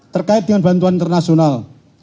terkait dengan bantuan internasional